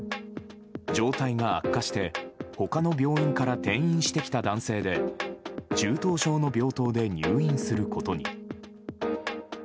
状態が悪化して他の病院から転院してきた男性で中等症の病棟で入院することに。